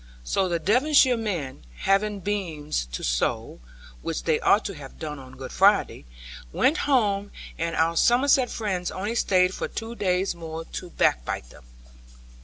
So the Devonshire men, having beans to sow (which they ought to have done on Good Friday) went home; and our Somerset friends only stayed for two days more to backbite them.